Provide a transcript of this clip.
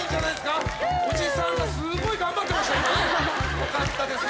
よかったですよ。